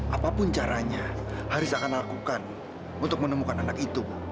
apapun caranya aris akan lakukan untuk menemukan anak itu